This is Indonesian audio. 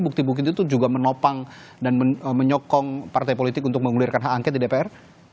bukti bukti itu juga menopang dan menyokong partai politik untuk mengulirkan hak angket di dpr